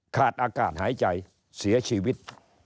ขาดอากาศหายใจเสียชีวิต